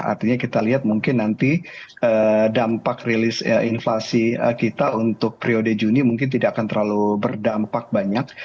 artinya kita lihat mungkin nanti dampak rilis inflasi kita untuk periode juni mungkin tidak akan terlalu berdampak banyak